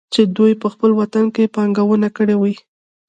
چې دوي په خپل وطن کې پانګونه کړى وى.